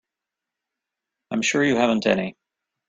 I'm sure you haven't any.